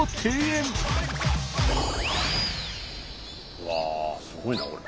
うわすごいなこれ。